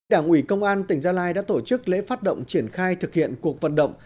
đảng ủy công an tỉnh gia lai đã tổ chức lễ phát động triển khai thực hiện cuộc vận động